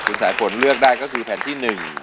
คุณสายฝนเลือกได้ก็คือแผ่นที่๑